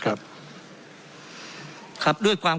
เพราะเรามี๕ชั่วโมงครับท่านนึง